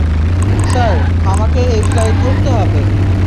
Sir, আমাকে এই flight ধরতে হবে।